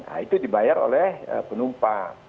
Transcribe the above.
nah itu dibayar oleh penumpang